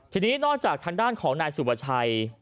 ทีนี้นอกจากทางด้านของนายสุประชัย